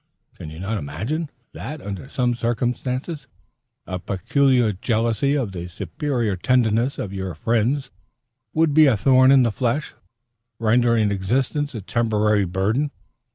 Can you not imagine, that, under such circumstances, a peculiar jealousy of the superior tenderness of your friends would be a thorn in the flesh, rendering existence a temporary burden?